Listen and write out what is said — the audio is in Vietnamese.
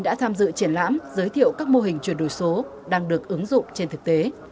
đã tham dự triển lãm giới thiệu các mô hình chuyển đổi số đang được ứng dụng trên thực tế